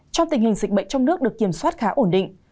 trong tình hình dịch bệnh trong nước được kiểm soát khá ổn định